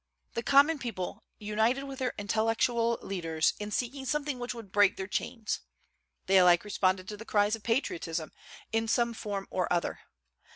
The common people united with their intellectual leaders in seeking something which would break their chains. They alike responded to the cries of patriotism, in some form or other.